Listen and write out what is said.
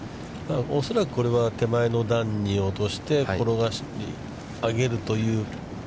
恐らく、これは手前の段に落として、転がして、上げるという。